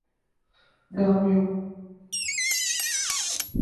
جہاں بھی ہوں۔